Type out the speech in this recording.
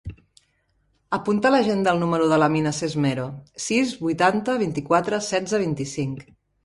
Apunta a l'agenda el número de l'Amina Sesmero: sis, vuitanta, vint-i-quatre, setze, vint-i-cinc.